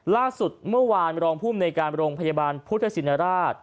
ล่าสุดเมื่อวานรองภูมิในการโรงพยาบาลพุทธชินราช